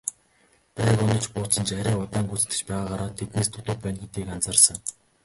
Байг онож буудсан ч арай удаан гүйцэтгэж байгаагаараа тэднээс дутуу байна гэдгийг анзаарсан.